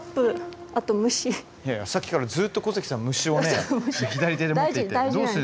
いやいやさっきからずっと小関さん虫をね左手で持っていて。